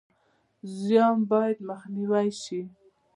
زیان باید مخنیوی شي